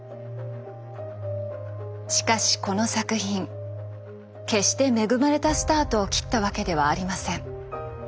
しかしこの作品決して恵まれたスタートを切ったわけではありません。